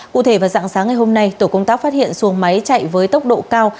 cụ thể vào dạng sáng ngày hôm nay tổ công tác phát hiện xuồng máy chạy với tốc độ cao